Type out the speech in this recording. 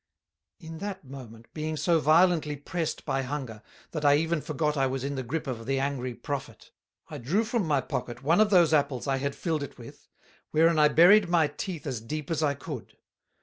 In that moment, being so violently pressed by Hunger, that I even forgot I was in the grip of the angry Prophet, I drew from my pocket one of those Apples I had filled it with, wherein I buried my teeth as deep as I could.